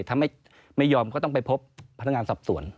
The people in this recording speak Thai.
ถ้าไม่ยอมก็ต้องไปพบพันธ์งานศัพท์ส่วน